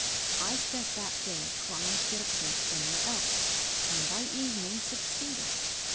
I spent that day trying to get a place somewhere else, and by evening succeeded.